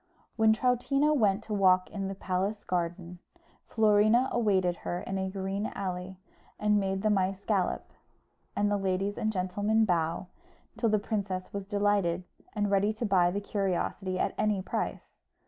When Troutina went to walk in the palace garden, Florina awaited her in a green alley, and made the mice gallop, and the ladies and gentlemen bow, till the princess was delighted, and ready to buy the curiosity at any price.